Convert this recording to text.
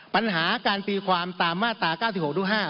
ปัญหาการตีความตามมาตรา๙๖ดู๕